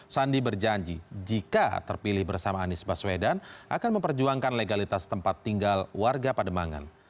sandi berjanji jika terpilih bersama anies baswedan akan memperjuangkan legalitas tempat tinggal warga pademangan